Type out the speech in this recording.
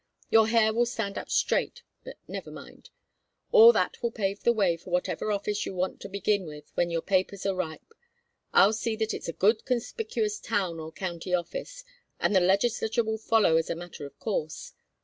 Your hair will stand up straight, but never mind. All that will pave the way for whatever office you want to begin with when your papers are ripe. I'll see that it's a good conspicuous town or county office, and the legislature will follow as a matter of course.